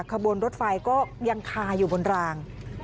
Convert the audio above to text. ขบวนรถไฟก็ยังคาอยู่บนราง